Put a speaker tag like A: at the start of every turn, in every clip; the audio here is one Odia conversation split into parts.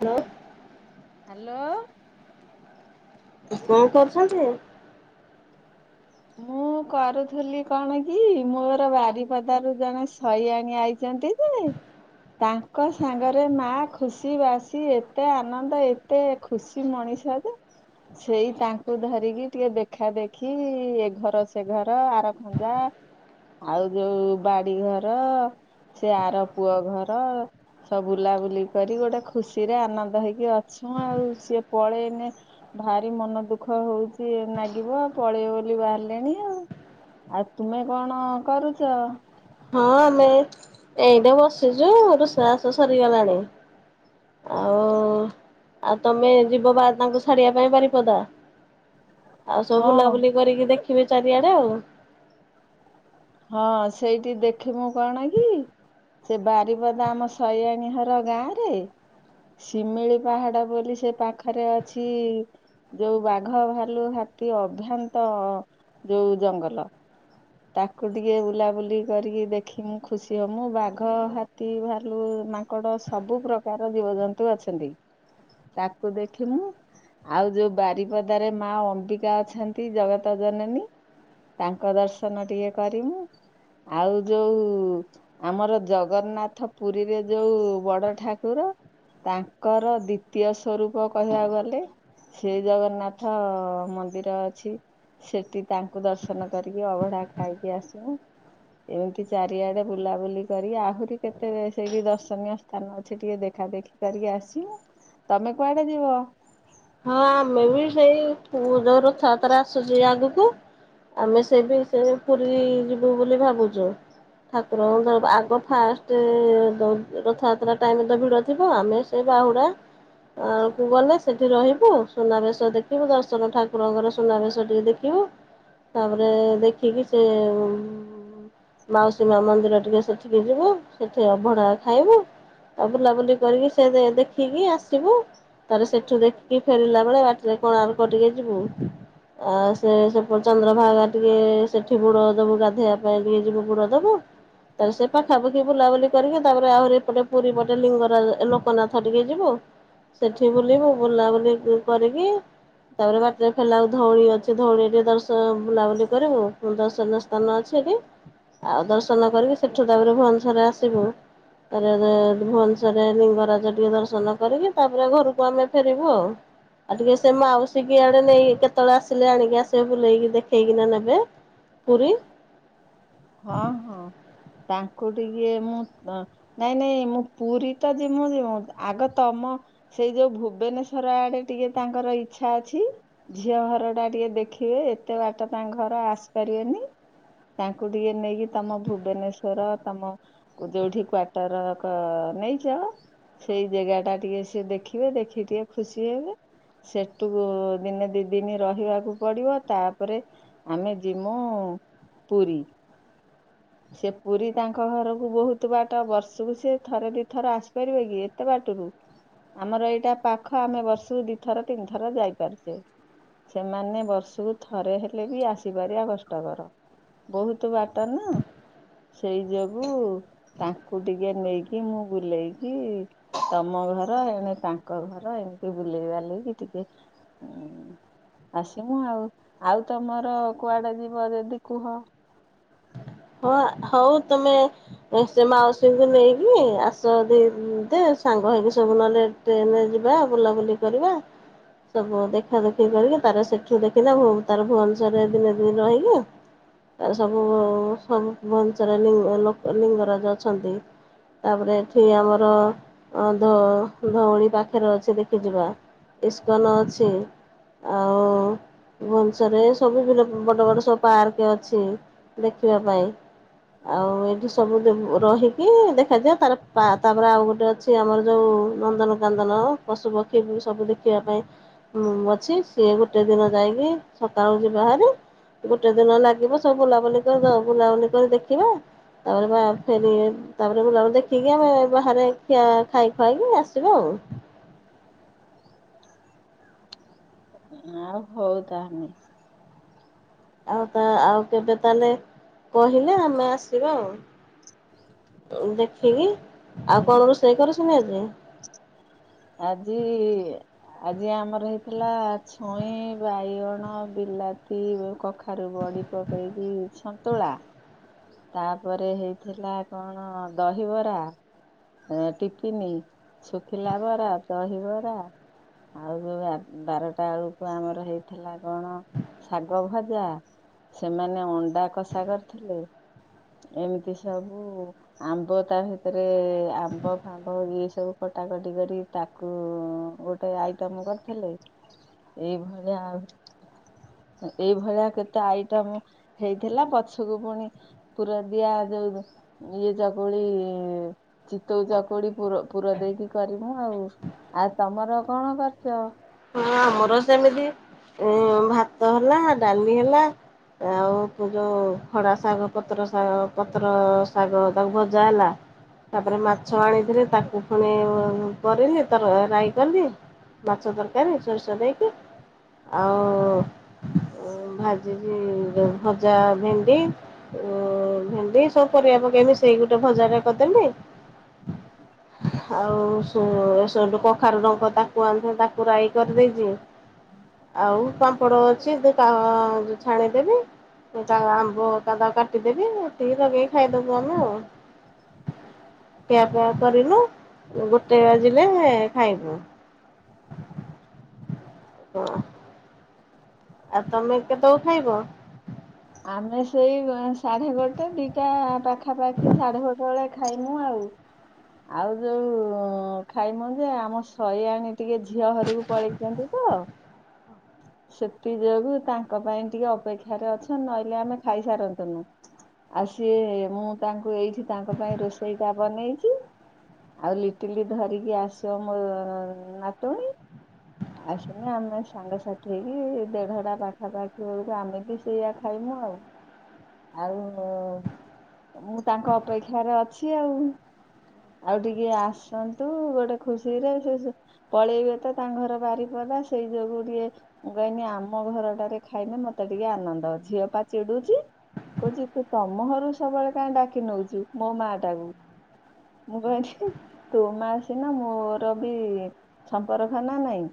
A: ହ୍ୟାଲୋ
B: ହାଲୋ ଓ।
A: କଣ କରୁଛନ୍ତି?
B: ମୁଁ କରୁଥିଲି କଣ କି, ମୋର ବାରିପଦାରୁ ଜଣେ ସଇଆଣୀ ଆଇଛନ୍ତି ଯେ ତାଙ୍କ ସାଙ୍ଗରେ ମା ଖୁସି ବାସି ଏତେ ଆନନ୍ଦ ଏତେ ଖୁସି ମଣିଷ ଯେ ସେଇ ତାଙ୍କୁ ଧରିକି ଟିକେ ଦେଖା ଦେଖି ଏ ଘର ସେ ଘର ଆର ଖଞ୍ଜା ଆଉ ଯୋଉ ବାଡି ଘର ସେ ଆର ପୁଅ ଘର ସବ ବୁଲାବୁଲି କରି ଗୋଟେ ଖୁସିରେ ଆନନ୍ଦ ହେଇକି ଅଛୁ ଆଉ ସିଏ ପଳେଇନ ଭାରି ମନ ଦୁଃଖ ହଉଛି ନାଗିବ ପଳେଇ ବୁଲି ବାହାରିଲେଣି ଆଉ। ଆଉ ତୁମେ କଣ କରୁଛ?
A: ହଁ ଆମେ ଏଇନା ବସିଛୁ, ରୁଷବାସ ସରିଗଲାଣି ଆଉ ଆଉ ତମେ ଯିବ ବା ତାଙ୍କୁ ଛାଡିବା ପାଇଁ ବାରିପଦା। ଆଉ ସବୁ
B: ହଁ
A: ବୁଲାବୁଲି କରିକି ଦେଖି ଯିବେ ଚାରିଆଡେ ଆଉ।
B: ହଁ ସେଇଠି ଦେଖିମୁ କଣ କି ସେ ବାରିପଦା ଆମ ସୟାଣୀହର ଗାଁରେ ଶିମିଳି ପାହାଡ ବୋଲି ସେ ପାଖରେ ଅଛି ଯୋଉ ବାଘ, ଭାଲୁ, ହାତୀ ଅଭ୍ୟନ୍ତ ଯୋଉ ଜଙ୍ଗଲ। ତାକ ତାକୁ ଟିକେ ବୁଲାବୁଲି କରିକି ଦେଖିମୁ ଖୁସି ହମୁ ବାଘ, ହାତୀ, ଭାଲୁ, ମାଙ୍କଡ଼ ସବୁ ପ୍ରକାର ଜୀବଜନ୍ତୁ ଅଛନ୍ତି ତାକୁ ଦେଖିମୁ ଆଉ ଯୋଉଁ ବାରିପଦାରେ ମା ଅମ୍ବିକା ଅଛନ୍ତି ଜଗତ ଜନନୀ ତାଙ୍କ ଦର୍ଶନ ଟିକେ କରିମୁ, ଆଉ ଯୋଉ ଆମର ଜଗନ୍ନାଥ ପୁରୀରେ ଯୋଉ ବଡ ଠାକୁର ତାଙ୍କର ଦ୍ଵିତୀୟ ସ୍ୱରୂପ କହିବାକୁ ଗଲେ ସେ ଜଗନ୍ନାଥ ମନ୍ଦିର ଅଛି। ସେଠି ତାଙ୍କୁ ଦର୍ଶନ କରିକି ଅଭଢା ଖାଇକି ଆସିମୁ। ଏମିତି ଚାରିଆଡେ ବୁଲାବୁଲି କରିକି, ଆହୁରି କେତେ ସେ ଦର୍ଶନୀୟ ସ୍ଥାନ ଅଛି। ଟିକେ ଦେଖା ଦେଖି କରିକି ଆସିମୁ। ତମେ କୁଆଡେ ଯିବ?
A: ହଁ ଆମେ ବି ସେଇ ଯୋଉ ରଥଯାତ୍ରା ଆସୁଛି। ଆଗକୁ ଆମେ ସେ ବି ସେ ପୁରୀ ଯିବୁ ବୋଲି ଭାବୁଛୁ। ଠାକୁରଙ୍କର ଆଗ ଫାଷ୍ଟ ରଥଯାତ୍ରା ଟାଇମ ଭିଡ ଥିବ ଆମେ ସେ ବାହୁଡା ଆ କୁଗଲେ ସେ ସେଠି ରହିବୁ ସୁନାବେଶ ଦେଖିବୁ, ଦର୍ଶନ ଠାକୁରଙ୍କର ସୁନାବେଶ ଟିକେ ଦେଖିବୁ, ତାପରେ ଦେଖିକି ସେ ମାଉସୀ ମା ମନ୍ଦିର ଟିକେ ସେଠିକି ଯିବୁ, ସେଠି ଅଭଢ଼ା ଖାଇବୁ ଆ ବୁଲାବୁଲି କରିକି ସେ ଦେଖିକି ଆସିବୁ ତାପ ସେଠୁ ଦେ ଫେରିଲା ବେଳେ ବାଟରେ କୋଣାର୍କ ଟିକେ ଯିବୁ। ଆ ସେ ସେଟ ଚନ୍ଦ୍ରଭାଗା ଟିକେ ସେଠି ବୁଡ ଦବୁ ଗାଧେଇବା ପାଇଁ ଟିକେ ଯିବୁ ବୁଡ ଦବୁ ତାରେ ସେ ପାଖାପାଖି ବୁଲାବୁଲି କରିକି ତାପରେ ଆହୁରି ଏପଟେ ପୁରୀ ପଟେ ଲିଙ୍ଗରା ଲୋକନାଥ ଟିକେ ଯିବୁ ସେଠି ବୁଲିବୁ। ବୁଲାବୁଲି କରିକି ତାପରେ ବାଟରେ ଖୋଲା ହଉ ଧଉଳି ଅଛି ଧଉଳି ଟିକେ ଦର୍ଶନ ବୁଲାବୁଲି କରିବୁ। ଦର୍ଶନୀୟ ସ୍ଥାନ ଅଛି କି ଆଉ ଦର୍ଶନ କରିକି ସେଠୁ ତାପରେ ଭୁବନେଶ୍ବରରେ ଆସିବୁ ତାରେ ଭୁବନେଶ୍ୱରେ ଲିଙ୍ଗରାଜ ଟିକେ ଦର୍ଶନ କରିକି ତାପରେ ଘରକୁ ଆମେ ଫେରିବୁ ଆଉ। ଆଉ ଟିକେ ସେ ମାଉସୀ କି ଆଡେ ନେଇ କେତେବେଳେ ଆସିଲେ, ଆଣିକି ଆସିବେ ବୁଲେଇକି ଦେଖେଇକିନା ନେବେ ପୁରୀ।
B: ହଁ ହଁ ତାଙ୍କୁ ଟିକେ ମୁଁ ନାଇଁ ନାଇଁ ମୁଁ ପୁରୀ ତ ଯିମୁ ଯିମୁ ଆଗ ତମ ସେଇ ଯୋଉ ଭୁବନେଶ୍ଵର ଆଡେ ଟିକେ ତାଙ୍କର ଇଚ୍ଛା ଅଛି ଝିଅ ଘର ଟା ଟିକେ ଦେଖିବେ ଏତେ ବାଟ ତାଙ୍କ ଘର ଆସିପାରିବେନି। ତା ଙ୍କୁ ଟିକେ ନେଇକି ତମ ଭୁବନେଶ୍ଵର ତମ ଯଉଠି କ୍ଵାର୍ଟର ଘ ନେଇଚ ସେଇ ଜେଗା ଟା ଟିକେ ସିଏ ଦେଖିବେ ଦେଖିକି ଖୁସି ହେବେ ସେଠୁ ଦିନେ ଦୁଇ ଦିନ ରହିବାକୁ ପଡ଼ିବ ତାପରେ ଆମେ ଯିମୁ ପୁରୀ। ସେ ପୁରୀ ତାଙ୍କ ଘରକୁ ବହୁତ ବାଟ ବର୍ଷକୁ ସେ ଥରେ ଦି ଥର ଆସିପାରିବେ କି ଏତେ ବାଟରୁ ଆମର ଏଇଟା ପାଖ ଆମେ ବର୍ଷକୁ ଦିଥର ତିନିଥର ଯାଇପାରୁଛେ ସେମାନେ ବର୍ଷକୁ ଥରେ ହେଲେ ବି ଆସିପାରିବା କଷ୍ଟକର ବହୁତ ବାଟ ନା। ସେଇ ଯୋଗୁ ତାଙ୍କୁ ଟିକେ ନେଇକି ମୁଁ ବୁଲେଇକି ତମ ଘର ଏଣେ ତାଙ୍କ ଘର ଏମିତି ବୁଲେଇ ବାଲିକି ଟିକେ ଆସିମୁ ଆଉ ଆଉ ତମର କୁଆଡେ ଯିବ ଯଦି କୁହ?
A: ହଁ ହଉ ତୁମେ ସେ ମାଉସୀଙ୍କୁ ନେଇକି ଆସ ଦୁ ଦେ ସାଙ୍ଗ ହୋଇକି ସବୁ ନହେଲେ ଟ୍ରେନରେ ଯିବା ବୁଲାବୁଲି କରିବା ସବୁ ଦେଖାଦେଖି କରିକି ତାର ସେଠୁ ଦେଖିନା ତାର ଭୁବନେଶ୍ୱରରେ ଦିନେ ଦି ରହିକି ତାର ସବୁ ଭୁବନେଶ୍ୱର ରେ ଲିଙ୍ଗ ଲୋକ ଲିଙ୍ଗରାଜ ଅଛନ୍ତି ତାପରେ ଏଠି ଆମର ଅ ଧ ଧଉଳି ପା ପାଖରେ ଅଛି ଦେଖି ଯିବା ଇସ୍କନ ଅଛି ଆଉ ଭବନେଶ୍ୱରେ ସବୁ ବଡ ବଡ ସବୁ ପାର୍କ ଅଛି ଦେଖିବା ପାଇଁ। ଆଉ ଏଇଠି ସବୁ ରହିକି ଦେଖାଯାଏ ତାର ତାପରେ ଆଉ ଗୋଟେ ଅଛି ଆମର ଯୋଉ ନନ୍ଦନକନ୍ଦନ ପଶୁପକ୍ଷୀ ସବୁ ଦେଖିବା ପାଇଁ ଅଛି ସିଏ ଗୋଟେ ଦିନ ଯାଇକି ସକାଳୁ ଯ ବାହାରି ଗୋଟେ ଦିନ ଲାଗିବ ସବୁ ବୁଲାବୁଲି କରିଦବ। ବୁଲାବୁଲି କରି ଦେଖିବା ତାପରେ ଭା ଫେ ତାପରେ ବୁଲାବୁଲି ଦେଖିକି ଆମେ ବାହାରେ ଖିୟା ଖାଇ ଖୁଆଇକି ଆସିବା ଆଉ।
B: ଆ ହଉ ତାହେଲେ।
A: ଆଉ ତା ଆଉ କେବେ ତାହେଲେ କହିଲେ ଆମେ ଆସିବା ଆଉ ଦେଖିକି। ଆଉ କଣ ରୋଷେଇ କରଛ? ନେବି।
B: ଆଜି ଆଜି ଆମର ହେଇଥିଲା ଛୁଇଁ, ବାଇଗଣ, ବିଲାତି, କଖାରୁ ବଡି ପକେଇକି ସନ୍ତୁଳା। ତାପରେ ହେଇଥିଲା କଣ ଦହିବରା, ଟିଫିନି, ଶୁଖିଲା ବରା, ଦହିବରା ଆଉ ଯୋ ବାରଟା ବେଳକୁ ଆମର ହେଇଥିଲା କଣ ଶାଗ ଭଜା ସେମାନେ ଅଣ୍ଡା କଷା କରିଥିଲେ। ଏମିତି ସବୁ ଆମ୍ବ ତା ଭିତରେ ଆମ୍ବ ଫାମ୍ୱ ଇଏ ସବୁ କଟାକଟି କରି ତାକୁ ଗୋଟେ ଆଇଟମ କରିଥିଲେ, ଏଇଭଳିଆ ଏଇଭଳିଆ କେତେ ଆଇଟମ ହେଇଥିଲା। ପଛକୁ ପୁଣି ପୁର ଦିଆ ଯୋଉ ଇଏ ଚକୁଳି ଚିତଉ ଚକୁଳି ପୁର ପୁର ଦେଇକି କରିମୁ ଆଉ। ଆଉ ତମର କଣ କରିଛ?
A: ହଁ ଆମର ସେମିତି ଭାତ ହେଲା ଡାଲି ହେଲା ଆଉ ଯୋଉ ଖଡା ଶାଗ ପତ୍ର ଶାଗ ପତ୍ର ଶାଗ ତାକୁ ଭଜା ହେଲା ତାପରେ ମାଛ ଆଣିଥିଲି ତାକୁ ପୁଣି କରିଲି ତର ରାଇ କଲି। ମାଛ ତରକା ରକାରୀ ସୋରିଷ ଦେଇକି ଆଉ ଭାଜି ଭଜା ଭେଣ୍ଡି ଭେଣ୍ଡି ସବୁ ପରିବା ପକେଇ ମିସେଇ ଗୋଟେ ଭଜାଟେ କରିଦେଲି ଆଉ ସେ ସେଠୁ କଖାରୁ ଡଙ୍କ ତାକୁ ଆଣିଥିଲି ତାକୁ ପୁରାଇ କରିଦେଇଛି ଆଉ ପାମ୍ପଡ଼ ଅଛି ଛାଣିଦେବି ଆମ୍ବ କାଦ କାଟିଦେବି ହେତିକି ଲଗେଇକି ଖାଇଦେବୁ ଆମେ ଆଉ ଖିଆ ଫିଆ କରିନୁ ଗୋଟେ ବାଜିଲେ ଖାଇବୁ। ହଁ। ଆଉ ତମେ କେତଉ ଖାଇବ?
B: ଆମେ ସେଇ ସାଢେ ଗୋଟେ ଦିଟା ପାଖାପାଖି ସାଢେ ଗୋଟେ ବେଳେ ଖାଇମୁ ଆଉ ଆଉ ଯୋଉ ଖାଇମୁ ଯେ ଆମ ସଇୟାଣୀ ଟିକେ ଝିଅ ଘରକୁ ପଳେଇଛନ୍ତି ତ ସେଥି ଯୋଗୁ ତାଙ୍କ ପାଇଁ ଟିକେ ଅପେକ୍ଷାରେ ଅଛ ନହେଲେ ଆମେ ଖାଇସାରନ୍ତୁନୁ ଆସଏ ମୁଁ ତାଙ୍କୁ ଏଇଠି ତାଙ୍କ ପାଇଁ ରୋଷେଇ ଟା ବନେଇଛି ଆଉ ଲିଟିଲି ଧରିକି ଆସିବ ମୋ ନାତୁଣୀ ଆସିଲେ ଆମେ ସାଙ୍ଗସଥି ସିଏବି ଦେଢଟା ପାଖାପାଖି ବେଳକୁ ଆମେ ବି ସେଇଆ ଖାଇମୁ ଆଉ ଆଉ ମୁଁ ତାଙ୍କ ଅପେକ୍ଷାରେ ଅଛି ଆଉ ଆଉ ଟିକେ ଆସନ୍ତୁ ଗୋଟେ ଖୁସିରେ ସେ ପଳେଇବେ ତ ତାଙ୍କ ଘର ବାରିପଦା ସେଇ ଯୋଗୁଁ ଟିକେ ମୁଁ କହନି ଆମ ଘରଟାରେ ଖାଇଲେ ମତେ ଟିକେ ଆନନ୍ଦ ଝିଅ ପା ଚିଡୁଛି କହୁଛି ତୁ ତମ ଘରୁ ସବୁବେଳେ କାହିଁ ଡାକି ନଉଛୁ ମୋ ମା ଟାକୁ ମୁଁ କହନି ତୋ ମା ସିନା ମୋର ବି ସମ୍ପର୍କ ନା ନାଇଁ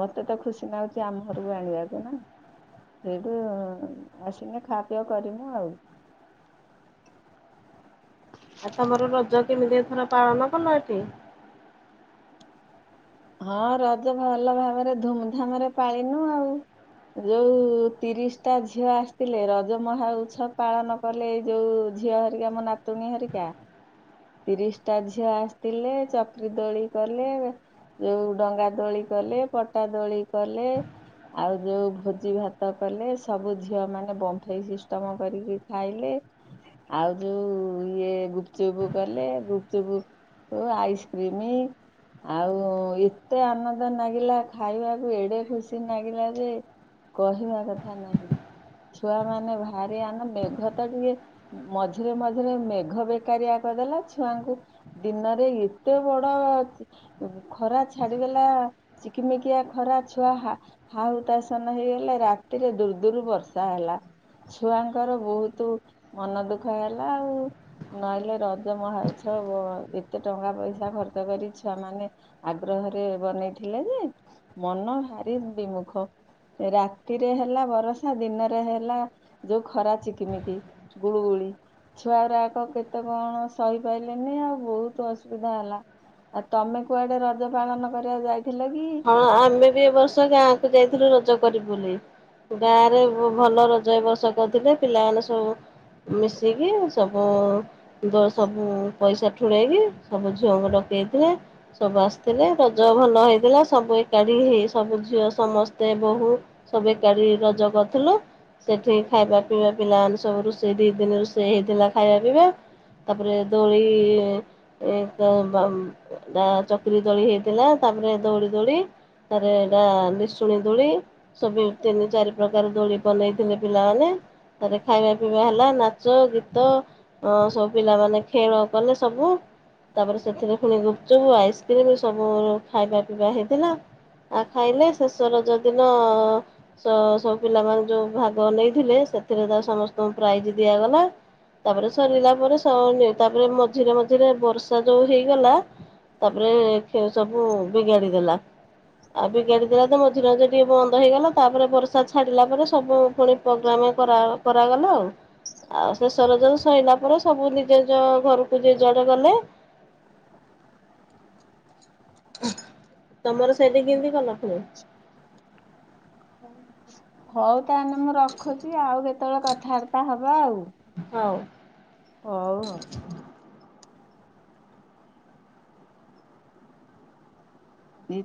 B: ମତେ ତ ଖୁସି ନାଗୁଛି। ଆମ ଘରକୁ ଆଣିବାକୁ ସେଇଠୁ ଆସିଲେ ଖା ପିଅ କରିମୁ ଆଉ
A: ଆଉ ତମର ରଜ କେମିତି ଏଥର ପାଳନ କଲ ହେଠି?
B: ହଁ ରଜ ଭଲ ଭାବରେ ଧୁମଧାମରେ ପାଳିନୁ ଆଉ ଯୋଉ ତିରିଶ ଟା ଝିଅ ଆସିଥିଲେ ରଜ ମହାଉତ୍ସବ ପାଳନ କଲେ ଏଇ ଯୋଉଁ ଝିଅ ହେରିକା ମୋ ନାତୁଣୀ ହେରିକା ତିରିଶ ଟା ଝିଅ ଆସିଥିଲେ ଚକ୍ରୀ ଦୋଳି କଲେ। ଯେଉଁ ଡଙ୍ଗା ଦୋଳି କଲେ ପଟାଦୋଳି କଲେ ଆଉ ଯେଉଁ ଭୋଜି ଭାତ କଲେ ସବୁ ଝିଅମାନେ ବମ୍ଫେଇ ସିଷ୍ଟମ କରିକି ଖାଇଲେ ଆଉ ଯେଉଁ ଇଏ ଗୁପଚୁପୁ କଲେ ଗୁପଚୁପୁ ଆଇସ୍କ୍ରିମ୍ ଆଉ ଏତେ ଆନନ୍ଦ ନାଗିଲା ଖାଇବାକୁ ଏଡେ ଖୁସି ନାଗିଲା ଯେ କହିବା କଥା ନାହିଁ। ଛୁଆ ମାନେ ଭାରି ଆନ ମେଘ ତ ଟିକେ ମଝିରେ ମଝିରେ ମେଘ ବେକାରିଆ କରିଦେଲା ଛୁଆଙ୍କୁ ଦିନରେ ଏତେ ବଡ ଖରା ଛାଡ଼ିଦେଲା ଚିକିମିକିଆ ଖରା ଛୁଆ ହା ହାହୁତାସନ ହେଇଗଲେ। ରାତିରେ ଦୂର୍ ଦୂରୁ ବର୍ଷା ହେଲା। ଛୁଆଙ୍କର ବହୁତୁ ମନ ଦୁଃଖ ହେଲା। ଆଉ ନହେଲେ ରଜ ମହା ଉତ୍ସବ ଏତେ ଟଙ୍କା ପଇସା ଖର୍ଚ୍ଚ କରି ଛୁଆମାନେ ଆଗ୍ରହରେ ବନେଇଥିଲେ। ଯେ ମନ ଭାରି ବିମୁଖ ରାତିରେ ହେଲା ବରଷା ଦିନରେ ହେଲା ଯୋଉଁ ଖରା ଚିକିମିକି ଗୁଳୁଗୁଳି ଛୁଆ ଗୁରାକ କେତେ କଣ ସହିପାଇଲେନି ଆଉ ବହୁତ ଅସୁବିଧା ହେଲା ଆଉ ତମେ କୁଆଡେ ରଜ ପାଳନ କରିବାକୁ ଯାଇ
A: ହଁ ଆମେ ବି ଏବ ବର୍ଷ ଗାଁକୁ ଯାଇଥିଲୁ ରଜ କରିବୁ ବୋଲି ଗାଁରେ ଭଲ ରଜ ଏବର୍ଷ କରିଥିଲେ। ପିଲାମାନେ ସବୁ ମିଶିକି ସବୁ ଦ ସବୁ ପଇସା ଠୁଳେଇକି ସବୁ ଝିଅଙ୍କୁ ଡକେଇଥିଲେ। ସବୁ ଆସିଥିଲେ ରଜ ଭଲ ହେଇଥିଲା। ସବୁ ଏକାଠି ହେଇ ସବୁ ଝିଅ ସମସ୍ତେ ବୋହୂ ସବୁ ଏକାଠି ରଜ କରଥିଲୁ। ସେଠି ଖାଇବା ପିଇବା ପିଲାମାନେ ସବୁ ରୋଷେଇ ଦୁଇ ଦିନ ରୋଷେଇ ହେଇଥିଲା। ଖାଇବା ପିଇବା ତାପରେ ଦୋଳି ଏ ଦ ବାମ୍ ଚକ୍ରୀ ଦୋଳି ହେଇଥିଲା ତାପରେ ଦଉଡ଼ି ଦୋଳି ତାରେ ଗାଁ ନିଶୁଣି ଦୋଳି ସବୁ ତିନି ଚାରି ପ୍ରକାର ଦୋଳି ବନେଇଥିଲେ ପିଲାମାନେ ତାରେ ଖାଇବା ପିଇବା ହେଲା ନାଚ ଗୀତ ସବୁ ପିଲାମାନେ ଖେଳ କଲେ ସବୁ ତାପରେ ସେଥିରେ ପୁଣି ଗୁପଚୁପ୍ ଆଇସ୍କ୍ରିମ୍ ସବୁ ଖାଇବା ବା ହେଇଥିଲା ଆଉ ଖାଇଲେ ଶେଷ ରଜଦିନ ସ ସବୁ ପିଲାମାନ ଯେଉଁ ଭାଗ ନେଇଥିଲେ। ସେଥିରେ ତା ସମସ୍ତଙ୍କୁ ପ୍ରାଇଜ୍ ଦିଆଗଲା ତାପରେ ସରିଲା ପରେ ସ ତାପରେ ମଝିରେ ମଝିରେ ବର୍ଷା ଯୋଉଁ ହେଇଗଲା। ତାପରେ ସବୁ ବିଗାଡ଼ି ଦେଲା ଆ ବିଗାଡ଼ି ଦେଲା ତ ମଝିରେ ମଝିରେ ଟିକେ ବନ୍ଦ ହେଇଗଲା। ତାପରେ ବର୍ଷା ଛାଡ଼ିଲା ପରେ ସବୁ ପୁଣି ପ୍ରୋଗ୍ରାମ କରା କରାଗଲା। ଆଉ ଆଉ ଶେଷ ରଜ ସଇଲା ପରେ ସବୁ ନିଜେ ନିଜ ଘରକୁ ଯିଏ ଯୁଆଡ଼େ ଗଲେ। [inaudible] ତମର ସେଇଠି କେମିତି କଲ ଖୁ
B: ହଉ। ତାହେଲେ ମୁଁ ରଖୁଛି ଆଉ କେତେ କେତେବେଳେ କଥାବାର୍ତ୍ତା ହେବା ଆଉ।
A: ହଉ।
B: ହୋଉ ଆଉ। ନି